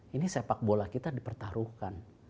ini sepak bola kita dipertaruhkan